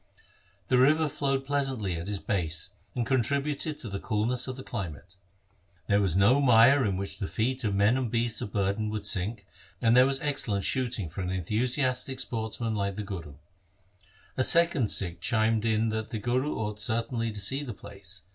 The river flowed pleasantly at its base, and contributed to the coolness of the climate. There was no mire in which the feet of men and beasts of burden would sink, and there was excellent shooting for an enthusiastic sportsman like the Guru. A second Sikh chimed in that the Guru ought certainly to see the place.